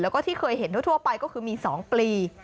แล้วก็ที่เคยเห็นทั่วไปก็คือมี๒ปลี